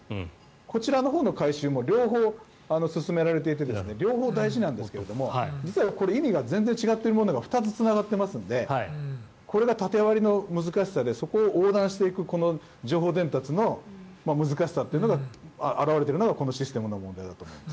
こちらのほうの改修も両方進められていて両方大事なんですが実はこれ意味が全然違っているものが２つつながっていますのでこれが縦割りの難しさでそこを横断していくこの情報伝達の難しさが表れているのがこのシステムの問題だと思います。